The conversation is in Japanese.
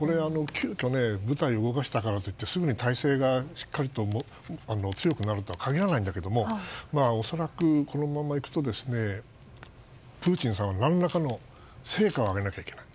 急きょ、部隊を動かしたからといってすぐに体勢がしっかりと強くなるとは限らないんだけども恐らく、このままいくとプーチンさんは何らかの成果を上げなきゃいけない。